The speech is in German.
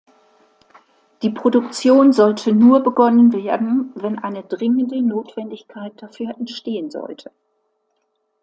Die Produktion sollte nur begonnen werden, wenn eine dringende Notwendigkeit dafür entstehen sollte.